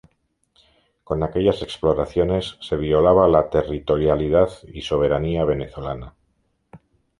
Con aquellas exploraciones se violaba la territorialidad y soberanía venezolana.